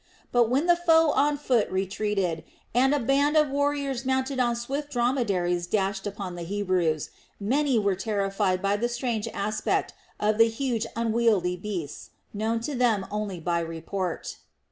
But when the foe on foot retreated, and a band of warriors mounted on swift dromedaries dashed upon the Hebrews many were terrified by the strange aspect of the huge unwieldy beasts, known to them only by report.